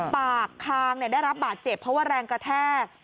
ปากคางได้รับบาดเจ็บเพราะว่าแรงกระแทก